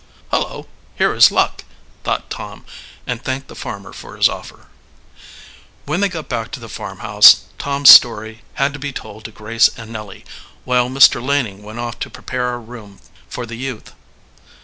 "Hullo, here is luck!" thought Tom, and thanked the farmer for his offer. When they got back to the farmhouse Tom's story had to be told to Grace and Nellie, while Mr. Laning went off to prepare a room for the youth.